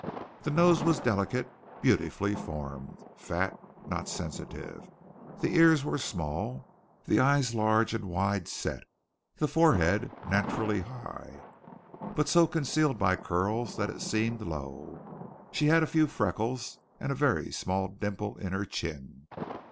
The nose was delicate, beautifully formed, fat, not sensitive. The ears were small, the eyes large and wide set, the forehead naturally high, but so concealed by curls that it seemed low. She had a few freckles and a very small dimple in her chin.